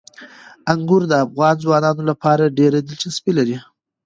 انګور د افغان ځوانانو لپاره ډېره دلچسپي لري.